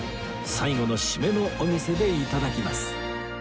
最後の締めのお店で頂きます